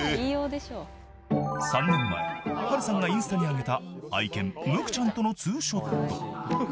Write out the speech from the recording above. ［３年前波瑠さんがインスタに上げた愛犬ムクちゃんとの２ショット］